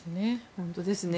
本当ですね。